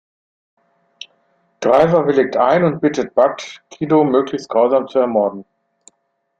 Driver willigt ein und bittet Budd, Kiddo möglichst grausam zu ermorden.